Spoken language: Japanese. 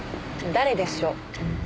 誰でしょう？